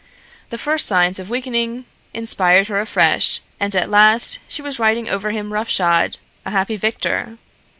The first signs of weakening inspired her afresh and at last she was riding over him rough shod, a happy victor.